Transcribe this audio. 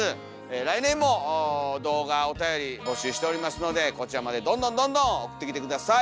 来年も動画おたより募集しておりますのでこちらまでどんどんどんどん送ってきて下さい。